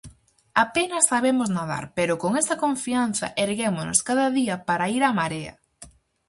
Apenas sabemos nadar pero, con esa confianza, erguémonos cada día para ir á marea.